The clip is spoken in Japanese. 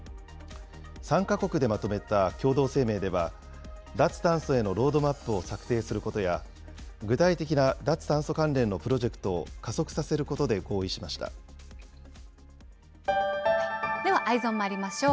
参加国でまとめた共同声明では、脱炭素へのロードマップを策定することや、具体的な脱炭素関連のプロジェクトを加速させることで合意しましでは、Ｅｙｅｓｏｎまいりましょう。